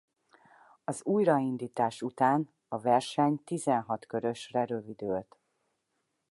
Az újraindítás után a verseny tizenhat körösre rövidült.